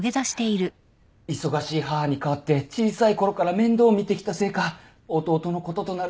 忙しい母に代わって小さいころから面倒を見てきたせいか弟のこととなるとつい。